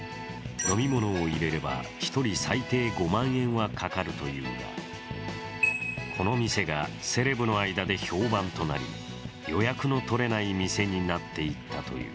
飲み物を入れれば一人最低５万円はかかるというがこの店がセレブの間で評判となり予約の取れない店になっていたという。